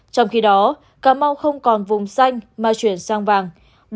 trong khi đó cà mau không còn vùng xanh mà chuyển sang vàng